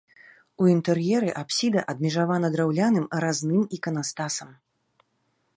У інтэр'еры апсіда адмежавана драўляным разным іканастасам.